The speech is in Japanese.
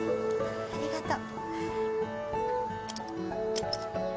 ありがとう。